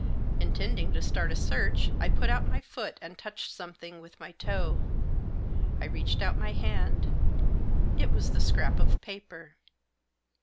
Intending to start a search I put out my foot and touched something with my toe. I reached out my hand ; it was the scrap of paper.